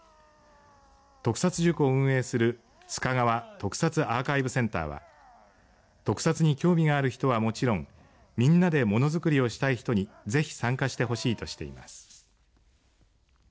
特撮塾を運営する須賀川特撮アーカイブセンターは特撮に興味がある人はもちろんみんなで物づくりをしたい人にぜひ参加してほしいとしています。